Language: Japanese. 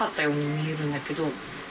ように見えるんだけど。